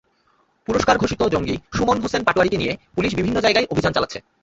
পুরস্কার ঘোষিত জঙ্গি সুমন হোসেন পাটোয়ারিকে নিয়ে পুলিশ বিভিন্ন জায়গায় অভিযান চালাচ্ছে।